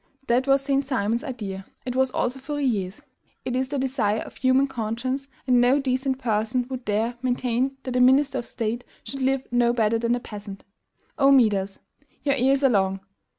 That was St. Simon's idea; it was also Fourier's; it is the desire of the human conscience; and no decent person would dare maintain that a minister of state should live no better than a peasant." O Midas! your ears are long!